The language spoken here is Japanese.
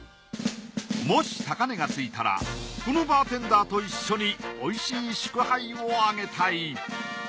もし高値がついたらこのバーテンダーと一緒においしい祝杯をあげたい。